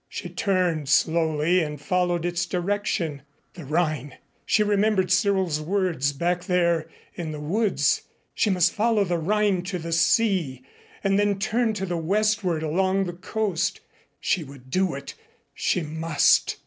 She turned slowly and followed its direction. The Rhine she remembered Cyril's words back there in the woods. She must follow the Rhine to the sea and then turn to the westward along the coast. She would do it. She must.